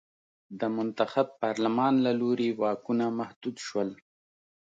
د منتخب پارلمان له لوري واکونه محدود شول.